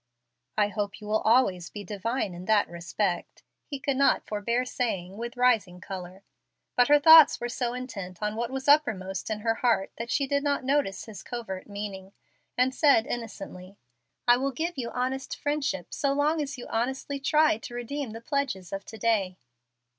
"I hope you will always be divine in that respect," he could not forbear saying, with rising color. But her thoughts were so intent on what was uppermost in her heart that she did not notice his covert meaning, and said, innocently, "I will give you honest friendship so long as you honestly try to redeem the pledges of to day."